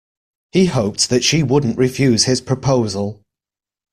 He hoped that she wouldn't refuse his proposal